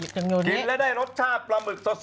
กินแล้วได้รสชาติปลาหมึกสด